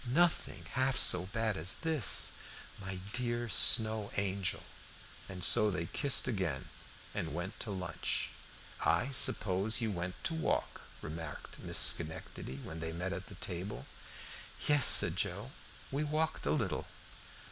"Nothing half so bad as this my dear Snow Angel!" And so they kissed again and went to lunch. "I suppose you went to walk," remarked Miss Schenectady, when they met at table. "Yes," said Joe, "we walked a little."